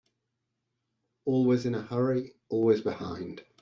Always in a hurry, always behind.